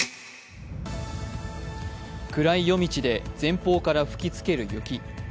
暗い夜道で、前方から吹き付ける雪